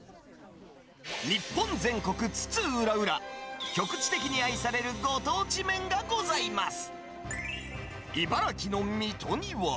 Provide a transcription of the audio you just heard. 日本全国津々浦々、局地的に愛されるご当地麺がございます。